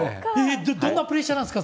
どんなプレッシャーなんですか？